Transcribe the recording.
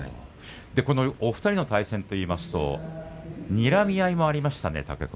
お２人の対戦といいますとにらみ合いもありましたね